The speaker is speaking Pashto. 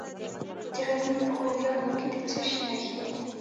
د غزني په خوږیاڼو کې د څه شي نښې دي؟